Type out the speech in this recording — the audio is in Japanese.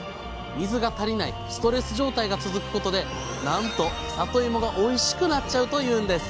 水が足りないストレス状態が続くことでなんとさといもがおいしくなっちゃうというんです！